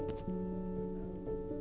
mereka bisa melihat keadaan mereka sendiri